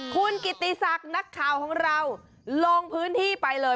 คุณกิติศักดิ์นักข่าวของเราลงพื้นที่ไปเลย